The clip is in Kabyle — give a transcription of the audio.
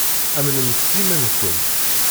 Amnemt s yiman-nkent.